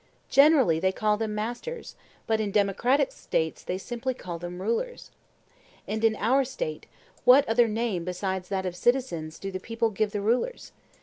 Generally they call them masters, but in democratic States they simply call them rulers. And in our State what other name besides that of citizens do the people give the rulers?